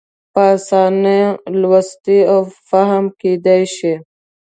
په اسانه لوستی او فهم کېدای شي.